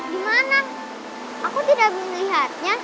dimana aku tidak melihatnya